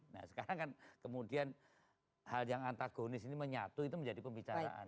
nah sekarang kan kemudian hal yang antagonis ini menyatu itu menjadi pembicaraan